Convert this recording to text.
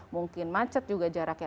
mungkin macet juga jaraknya